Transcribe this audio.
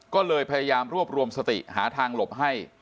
ก็เลยพยายามรวบรวมสติหาทางหลบให้